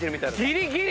ギリギリ！